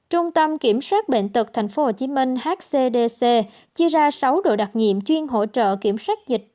trung tâm kiểm soát bệnh tật tp hcm hcdc chia ra sáu đội đặc nhiệm chuyên hỗ trợ kiểm soát dịch